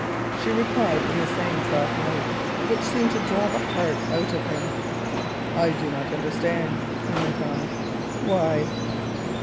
she replied in the same soft notes which seemed to draw the heart out of him. "I do not understand," he went on. "Why?"